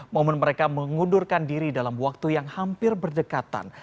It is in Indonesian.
momen mereka mengundurkan diri dalam waktu yang hampir berdekatan